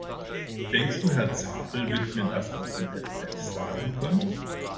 Denkst du, Herr Zabel wird mir das aus dem Effeff sagen können?